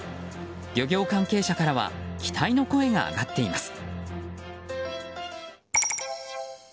漁業関係者からは期待の声が上がっています。